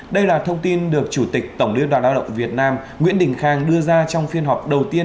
đây là thông tin được chủ tịch tổng liên đoàn lao động việt nam nguyễn đình khang đưa ra trong phiên họp đầu tiên